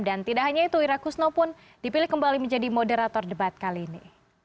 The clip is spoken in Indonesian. dan tidak hanya itu ira kusno pun dipilih kembali menjadi moderator debat kali ini